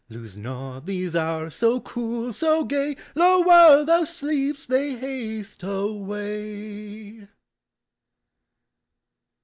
Lose not these hours, so cool, so gay : Lo ! while thou sleep'st they haste away